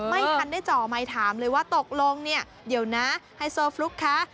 ไม่ทันได้จ่อไมค์ถามเลยว่าตกลงเนี่ยเดี๋ยวนะไฮโซฟลุ๊กคะ